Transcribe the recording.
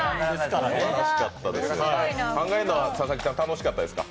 考えるのは佐々木さん、楽しかったですか？